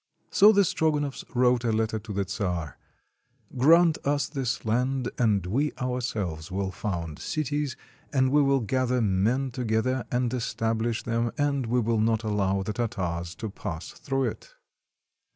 So the Strogonoffs wrote a letter to the czar: —" Grant us this land, and we ourselves will found cities, and we will gather men together and estabHsh them, and we will not allow the Tartars to pass through it."